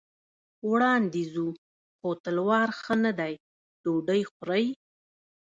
وړاندې ځو، خو تلوار ښه نه دی، ډوډۍ خورئ.